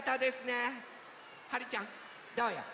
はるちゃんどうよ？